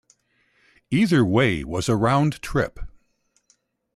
Either way was a round trip.